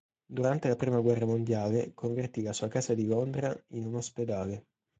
Durante la prima guerra mondiale, convertì la sua casa di Londra, in un ospedale.